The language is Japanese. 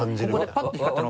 ここでパッと光ったの。